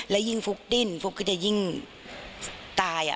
และยิ่งฟุกดิ้นฟุกก็จะยิ่งตาย